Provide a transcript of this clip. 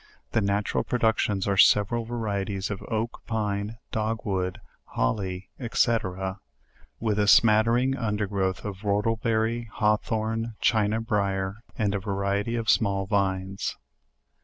The natural productions are. several varieties of oak, pine, dog wood, holly, &c. with, a scattering undergrowth of whortleberry, hawthorn, china brier, and a variety of small vines.